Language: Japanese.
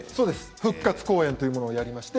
復活公演というのをやりました。